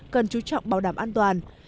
cần chú trọng bảo đảm an toàn